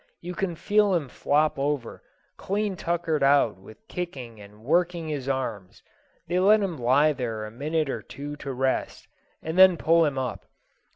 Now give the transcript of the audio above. You can feel him flop over, clean tuckered out with kicking and working his arms. They let him lie there a minute or two to rest, and then pull him up.